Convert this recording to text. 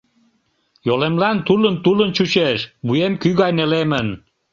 Йолемлан тулын-тулын чучеш, вуем кӱ гай нелемын...